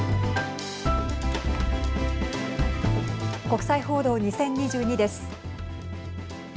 国際報道２０２２です。